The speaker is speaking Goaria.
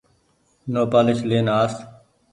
نوپآليس لين آس ۔